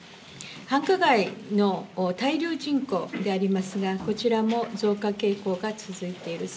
繁華街の滞留人口でありますがこちらも増加傾向が続いています。